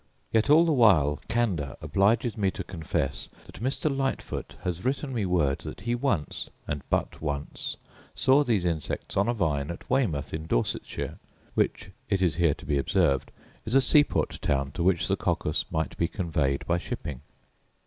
Yet, all the while, candour obliges me to confess that Mr. Lightfoot has written me word that he once, and but once, saw these insects on a vine at Weymouth in Dorsetshire; which, it is here to be observed, is a seaport town to which the coccus might be conveyed by shipping.